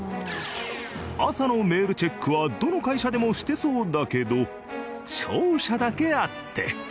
朝のメールチェックはどの会社でもしてそうだけど商社だけあって。